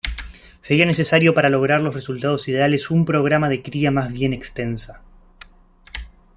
Sería necesario para lograr los resultados ideales un programa de cría más bien extensa.